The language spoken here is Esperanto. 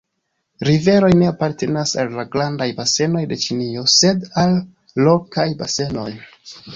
Riveroj ne apartenas al la grandaj basenoj de Ĉinio, sed al lokaj basenoj.